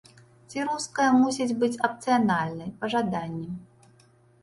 Ці руская мусіць быць апцыянальнай, па жаданні?